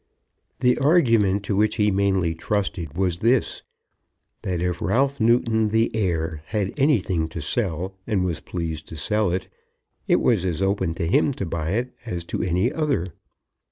The argument to which he mainly trusted was this, that if Ralph Newton, the heir, had anything to sell and was pleased to sell it, it was as open to him to buy it as to any other.